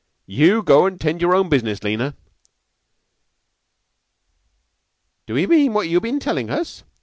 Yeou go 'tend your own business, Lena." "Do 'ee mean what you'm been tellin' us?"